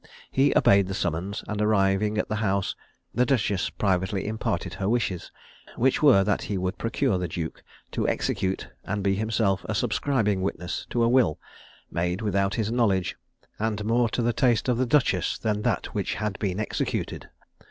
He obeyed the summons, and arriving at the house, the duchess privately imparted her wishes, which were, that he would procure the duke to execute, and be himself a subscribing witness to a will, made without his knowledge, and more to the taste of the duchess than that which had been executed.